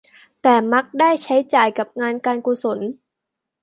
แต่มักได้ใช้จ่ายกับงานการกุศล